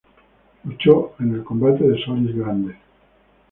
Luchó en el combate de Solís Grande.